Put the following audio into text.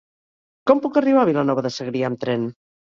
Com puc arribar a Vilanova de Segrià amb tren?